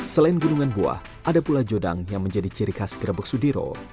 selain gunungan buah ada pula jodang yang menjadi ciri khas gerebek sudiro